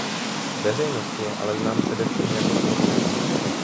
Veřejnosti je ale znám především jako funkcionář.